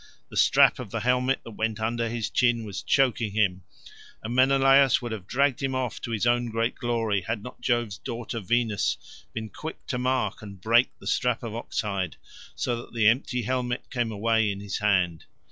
The strap of the helmet that went under his chin was choking him, and Menelaus would have dragged him off to his own great glory had not Jove's daughter Venus been quick to mark and to break the strap of ox hide, so that the empty helmet came away in his hand.